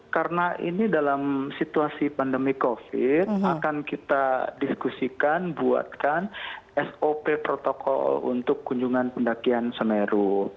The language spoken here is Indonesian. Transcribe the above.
karena ini dalam situasi pandemi covid sembilan belas akan kita diskusikan buatkan sop protokol untuk kunjungan pendakian semeru